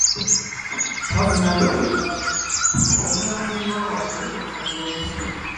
Buvunaanyizibwa bwaffe okusasula omusolo.